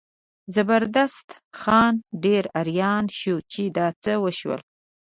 زبردست خان ډېر اریان شو چې دا څه وشول.